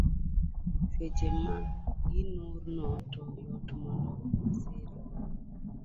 Seche ma gi nur no to yot mondo masira